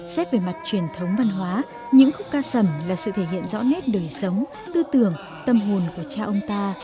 xét về mặt truyền thống văn hóa những khúc ca sầm là sự thể hiện rõ nét đời sống tư tưởng tâm hồn của cha ông ta